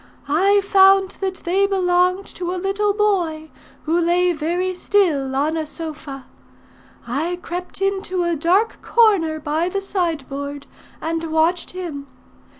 I found that they belonged to a little boy who lay very still on a sofa. I crept into a dark corner by the sideboard, and watched him.